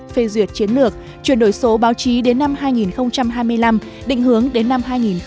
phê duyệt chiến lược chuyển đổi số báo chí đến năm hai nghìn hai mươi năm định hướng đến năm hai nghìn ba mươi